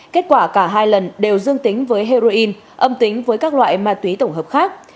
kết quả cả hai lần đều dương tính với heroin âm tính với các loại ma túy tổng hợp khác